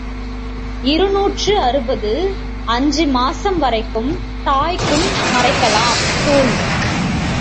இருநூற்று அறுபது அஞ்சு மாசம் வரைக்கும் தாய்க்கும் மறைக்கலாம், சூல்.